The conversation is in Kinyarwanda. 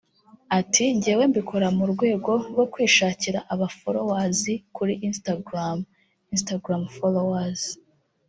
Ati ” Njyewe mbikora mu rwego rwo kwishakira abafolowazi kuri instagram ( Instagram Followers "